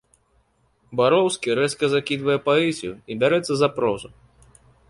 Бароўскі рэзка закідвае паэзію і бярэцца за прозу.